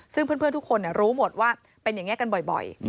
ซึ่งเพื่อนทุกคนรู้หมดว่าเป็นอย่างนี้กันบ่อย